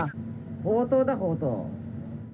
強盗だ、強盗。